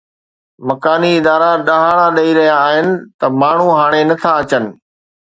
مڪاني ادارا ڏهاڙا ڏئي رهيا آهن ته ماڻهو هاڻي نٿا اچن